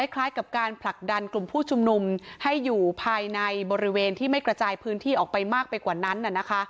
คล้ายกับการผลักดันกลุ่มผู้ชุมนุมให้อยู่ภายในบริเวณที่ไม่กระจายพื้นที่ออกไปมากไปกว่านั้น